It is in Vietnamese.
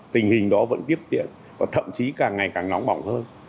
tình hình đó vẫn tiếp diễn và thậm chí càng ngày càng nóng bỏng hơn